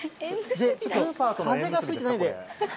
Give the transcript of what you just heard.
ちょっと風が吹いてないんで。